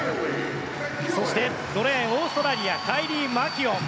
５レーン、オーストラリアカイリー・マキュオン。